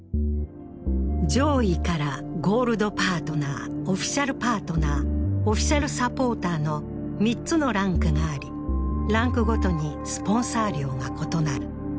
上位からゴールドパートナー、オフィシャルパートナー、オフィシャルサポーターの３つのランクがありランクごとにスポンサー料が異なる。